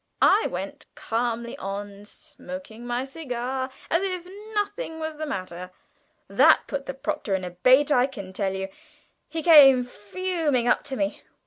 I went calmly on, smoking my cigar as if nothing was the matter. That put the Proctor in a bait, I can tell you! He came fuming up to me.